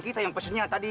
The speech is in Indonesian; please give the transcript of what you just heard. kita yang pesennya tadi